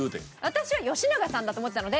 私は吉永さんだと思ってたので。